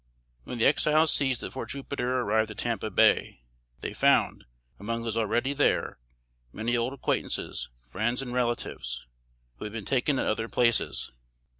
When the Exiles seized at Fort Jupiter arrived at Tampa Bay, they found, among those already there, many old acquaintances, friends and relatives, who had been taken at other places.